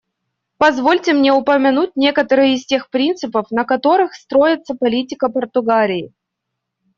Позвольте мне упомянуть некоторые из тех принципов, на которых строится политика Португалии.